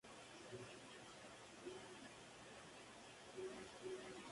Este cuadro se encuentra ahora en la colección privada de James Packer.